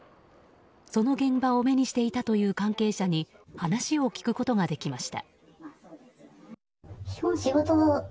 その現場を目にしていたという関係者に話を聞くことができました。